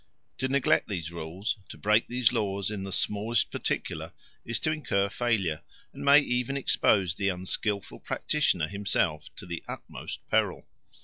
To neglect these rules, to break these laws in the smallest particular, is to incur failure, and may even expose the unskilful practitioner himself to the utmost peril.